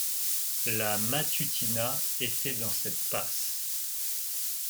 La Matutina était dans cette passe.